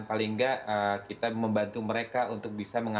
paling tidak kita membantu mereka untuk bisa mengatur